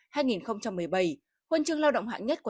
huân chương lao động hạng nhất của nhà nước lào hai nghìn một mươi bảy